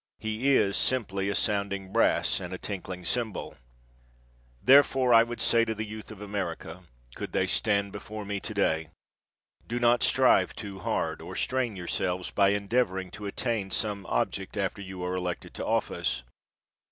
He is simply a sounding brass and a tinkling cymbal. Therefore, I would say to the youth of America could they stand before me to day do not strive too hard or strain yourselves by endeavoring to attain some object after you are elected to office.